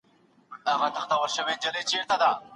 مثبت معلومات مو ذهن ته قوت ورکوي.